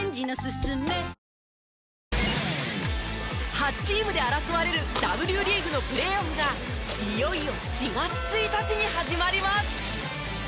８チームで争われるＷリーグのプレーオフがいよいよ４月１日に始まります。